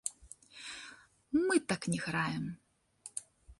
Мы так не граем!